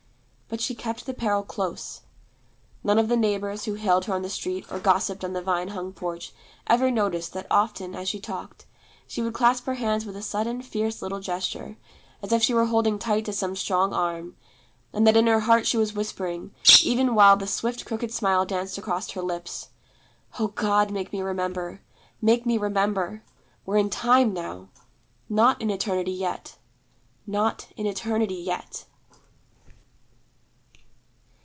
But she kept the peril close. None of the neighbors, who hailed her on the street or gossiped on the vine hung porch, ever noticed that often, as she talked, she would clasp her hands with a sudden fierce little gesture, as if she were holding tight to some strong arm, and that in her heart she was whispering, even while the swift crooked smile danced across her lips, 'O God, make me remember! make me remember! We're in Time, now: not in Eternity yet: _not in Eternity yet!